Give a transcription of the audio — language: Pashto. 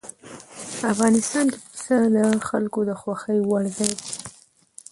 افغانستان کې پسه د خلکو د خوښې وړ ځای دی.